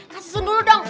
kasih sun dulu dong